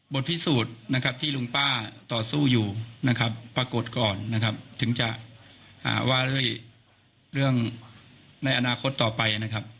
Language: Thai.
พิสูจน์นะครับที่ลุงป้าต่อสู้อยู่นะครับปรากฏก่อนนะครับถึงจะว่าด้วยเรื่องในอนาคตต่อไปนะครับ